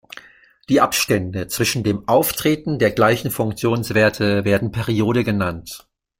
Die Abstände zwischen dem Auftreten der gleichen Funktionswerte werden Periode genannt.